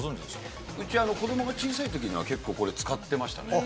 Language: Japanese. うち子供が小さい時には結構これ使ってましたね。